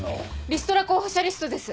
リストラ候補者リストです。